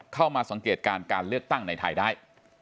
เข้ามาสังเกตการณ์การเลือกตั้งในไทยได้